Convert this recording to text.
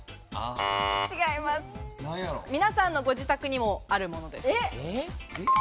皆さんのご自宅にもあるものです。